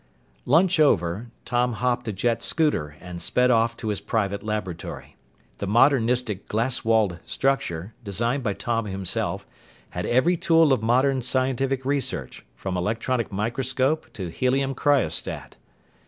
Lunch over, Tom hopped a jet scooter and sped off to his private laboratory. The modernistic glass walled structure designed by Tom himself had every tool of modern scientific research, from electronic microscope to helium cryostat.